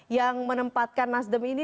yang menempatkan nasden ini